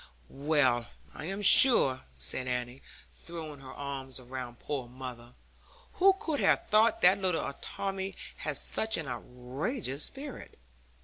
'Well, I am sure!' said Annie, throwing her arms around poor mother: 'who could have thought that little atomy had such an outrageous spirit!